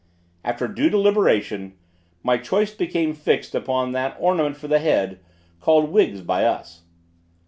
After due deliberation, my choice became fixed upon that ornament for the head, called wigs by us.